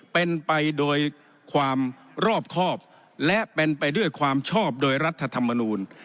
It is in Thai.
เป็นไปโดยความรอบครอบและเป็นไปด้วยความชอบโดยรัฐธรรมนูล